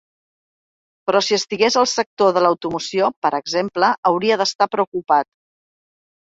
Però si estigués al sector de l’automoció, per exemple, hauria d’estar preocupat.